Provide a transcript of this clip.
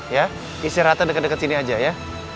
ya istirahatnya dekat dekat sini saja ya